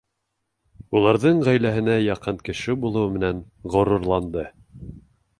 Уларҙың ғаиләһенә яҡын кеше булыуы менән ғорурланды.